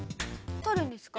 取るんですか？